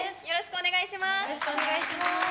よろしくお願いします。